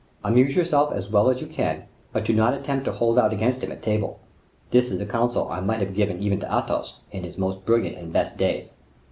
Amuse yourself as well as you can; but do not attempt to hold out against him at table. This is a counsel I might have given even to Athos, in his most brilliant and best days.